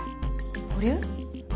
保留？